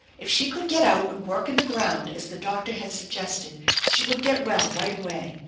If she could get out and work in the ground, as the doctor had suggested, she would get well right away.